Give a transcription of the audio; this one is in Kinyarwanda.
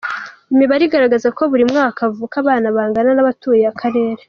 Imibare igaragaza ko buri mwaka havuka abana bangana n’abatuye akarere.